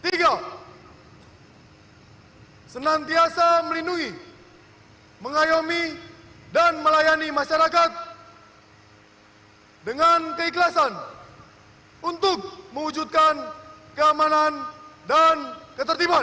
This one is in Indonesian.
tiga senantiasa melindungi mengayomi dan melayani masyarakat dengan keikhlasan untuk mewujudkan keamanan dan ketertiban